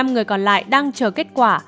năm người còn lại đang chờ kết quả